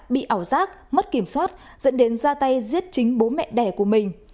bị ảo giác mất kiểm soát dẫn đến ra tay giết chính bố mẹ đẻ của mình